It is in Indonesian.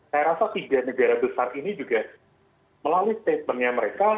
saya rasa tiga negara besar ini juga melalui statementnya mereka